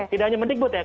tidak hanya mendikbut ya